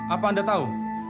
apa anda tahu